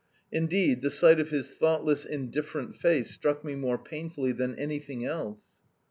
Indeed, the sight of his thoughtless, indifferent face struck me more painfully than anything else.